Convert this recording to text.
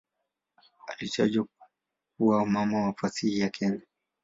Alitajwa kuwa "mama wa fasihi ya Kenya".